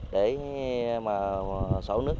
để sổ nước